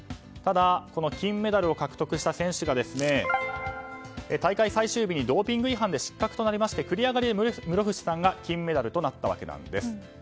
ただこの金メダルを獲得した選手が大会最終日にドーピング違反で失格となりまして繰り上がりで室伏さんが金メダルとなったわけなんです。